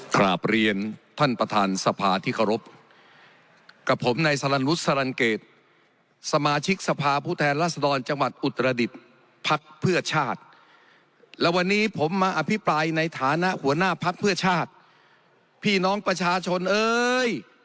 กราบเรียนท่านประธานสภาที่เคารพกับผมในสลันรุษสลันเกตสมาชิกสภาผู้แทนรัศดรจังหวัดอุตรดิษฐ์พักเพื่อชาติและวันนี้ผมมาอภิปรายในฐานะหัวหน้าพักเพื่อชาติพี่น้องประชาชนเอ้ย